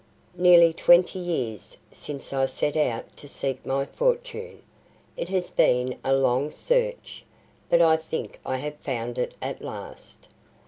"Nearly twenty years since I set out to seek my fortune. It has been a long search, but I think I have found it at last.